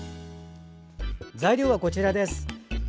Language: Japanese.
材料はこちらです。